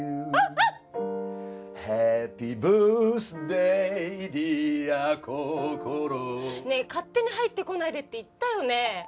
「ハッピーバースデーディアこころ」ねえ勝手に入ってこないでって言ったよね。